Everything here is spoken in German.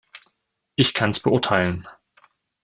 Ich kann's beurteilen.